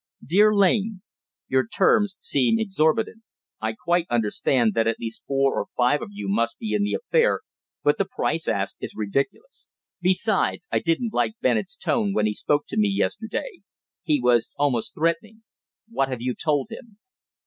_"Dear Lane, Your terms seem exorbitant. I quite understand that at least four or five of you must be in the affair, but the price asked is ridiculous. Besides, I didn't like Bennett's tone when he spoke to me yesterday. He was almost threatening. What have you told him?